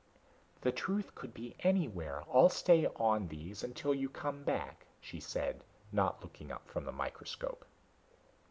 "The truth could be anywhere. I'll stay on these until you come back," she said, not looking up from the microscope.